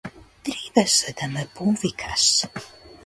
Требаше да ме повикаш.